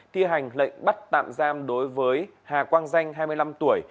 thi hành lệnh bắt tạm giam đối với hà quang danh hai mươi năm tuổi